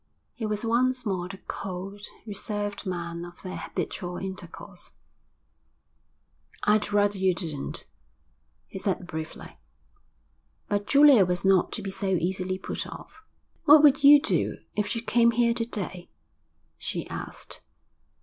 He was once more the cold, reserved man of their habitual intercourse. 'I'd rather you didn't,' he said briefly. But Julia was not to be so easily put off. 'What would you do if she came here to day?' she asked.